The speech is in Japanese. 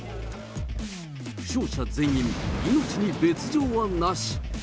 負傷者全員、命に別状はなし。